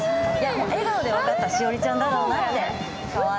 笑顔で分かった、栞里ちゃんだろうなって。